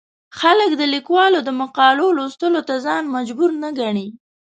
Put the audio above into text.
خلک د ليکوالو د مقالو لوستلو ته ځان مجبور نه ګڼي.